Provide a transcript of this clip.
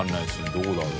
どこだろう？